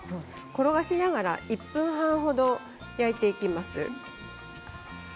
転がしながら１分半程焼いていきます。